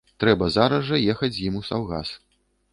Трэба зараз жа ехаць з ім у саўгас.